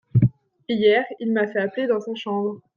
Hier, il m'a fait appeler dans sa chambre.